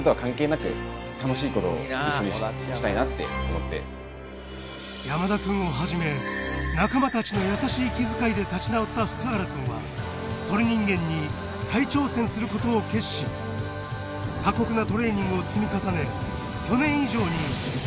こうすごい。山田くんをはじめ仲間たちの優しい気遣いで立ち直った福原くんは鳥人間に再挑戦する事を決心過酷なトレーニングを積み重ね去年以上に強い肉体へと仕上げた